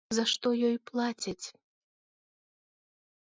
За што ёй плацяць?